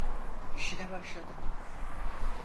İşine başladı.